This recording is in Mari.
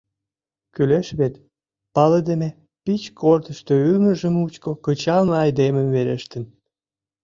Кӱлеш вет, палыдыме пич корнышто ӱмыржӧ мучко кычалме айдемым верештын.